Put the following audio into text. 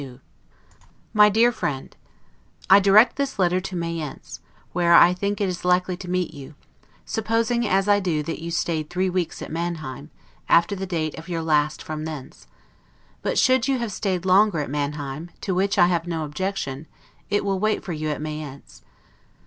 S. 1752 MY DEAR FRIEND: I direct this letter to Mayence, where I think it is likely to meet you, supposing, as I do, that you stayed three weeks at Manheim, after the date of your last from thence; but should you have stayed longer at Manheim, to which I have no objection, it will wait for you at Mayence.